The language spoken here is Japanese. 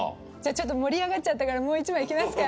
ちょっと盛り上がっちゃったからもう１枚行きますか。